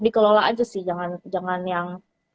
dikelola aja sih jangan yang